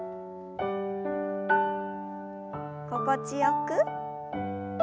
心地よく。